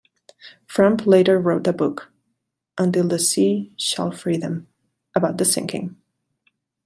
Frump later wrote a book, "Until the Sea Shall Free Them", about the sinking.